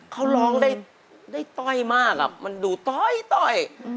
เขาร้องได้ต้อยมากมันดูต้อย